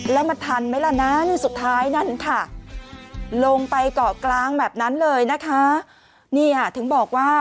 แล้วมันทันไหมล่ะนั้นสุดท้ายนั่นค่ะลงไปเกาะกลางแบบนั้นเลยนะคะนี่ค่ะถึงบอกว่า